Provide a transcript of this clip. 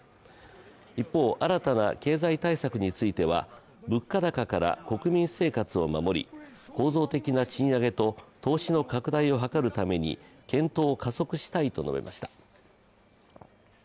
一方、新たな経済対策については物価高から国民生活を守り、構造的な賃上げと投資の拡大を図るために検討を加速したいと述べました。